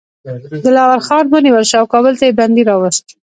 دلاور خان ونیول شو او کابل ته یې بندي راووست.